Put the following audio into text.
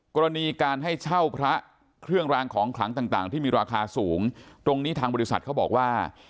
กรณีการให้เช่าพระเครื่องรางของขลังต่างที่มีราคาสูงตรงนี้ทางบริษัทเขาบอกว่า